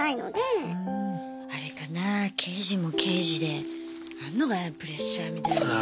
あれかな刑事も刑事であんのかなプレッシャーみたいの。